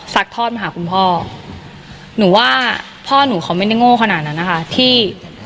ทอดมาหาคุณพ่อหนูว่าพ่อหนูเขาไม่ได้โง่ขนาดนั้นนะคะที่